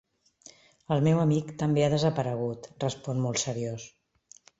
El meu amic també ha desaparegut —respon molt seriós—.